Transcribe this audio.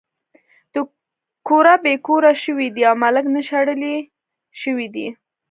د کوره بې کوره شوے دے او ملک نه شړلے شوے دے